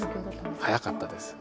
早かったです。